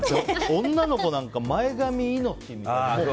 女の子なんか前髪命みたいなね。